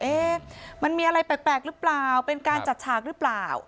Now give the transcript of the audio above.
มันมีอะไรแปลกหรือเปล่าเป็นการจัดฉากหรือเปล่า